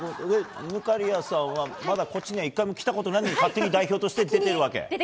忽滑谷さんはまだこっちには１回も来てないのに勝手に代表として出てるわけ。